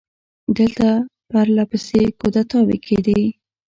دلته پر له پسې کودتاوې کېدې.